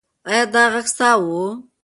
ایا دا غږ ستا و؟